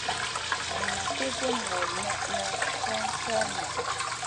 Nan ma pi gun ŋolo nèʼnèʼ kron co maʼa.